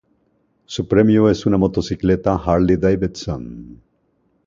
Su premio es una motocicleta Harley-Davidson.